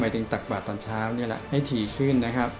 ถึงตักบาทตอนเช้านี่แหละให้ถี่ขึ้นนะครับ